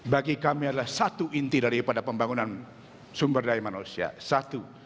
bagi kami adalah satu inti daripada pembangunan sumber daya manusia satu